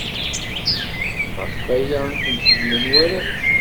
Ɣef waya i k-ḥemmlen warrac.